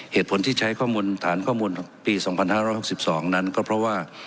เหตุผลที่ใช้ข้อมูลฐานข้อมูลปีสองพันห้าร้อยหกสิบสองนั้นก็เพราะว่า